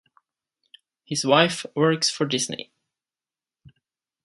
His wife works for Disney.